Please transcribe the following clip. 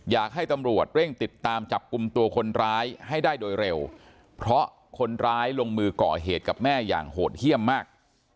อยากให้ตำรวจเร่งติดตามจับกลุ่มตัวคนร้ายให้ได้โดยเร็วเพราะคนร้ายลงมือก่อเหตุกับแม่อย่างโหดเยี่ยมมาก